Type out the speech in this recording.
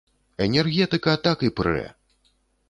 Энергетыка так і прэ!